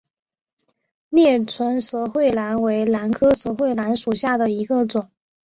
裂唇舌喙兰为兰科舌喙兰属下的一个种。